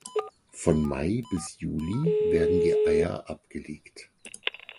Von Mai bis Juli werden die Eier abgelegt.